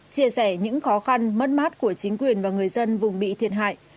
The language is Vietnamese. chia sẻ những khó khăn mất mát của chính quyền và người dân vùng bị thiệt hại